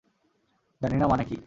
জানি না মানে কী?